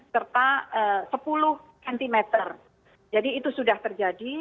serta sepuluh cm jadi itu sudah terjadi